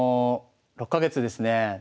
６か月ですねえ